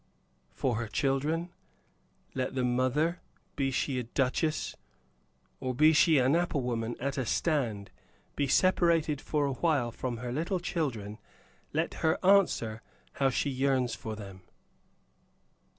For her children. Let the mother, be she a duchess, or be she an apple woman at a stand, be separated for awhile from her little children; let her answer how she yearns for them.